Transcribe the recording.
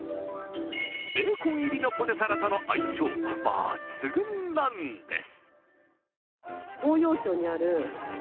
ベーコン入りのポテサラとの相性抜群なんです。